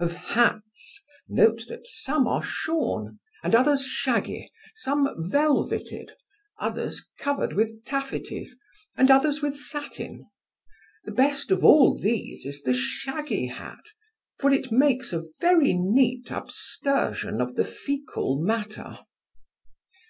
Of hats, note that some are shorn, and others shaggy, some velveted, others covered with taffeties, and others with satin. The best of all these is the shaggy hat, for it makes a very neat abstersion of the fecal matter.